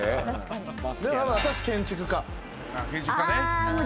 私、建築家。